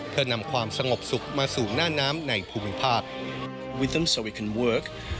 เพื่อนำความสงบสุขมาสู่หน้าน้ำในภูมิภาคเวิร์ค